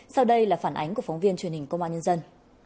sau đây là phản ánh của phóng viên truyền hình công an nhân dân